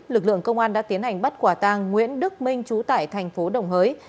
lực lượng công an đã tiến hành bắt quả tang nguyễn đức minh chú tại thành phố đồng hới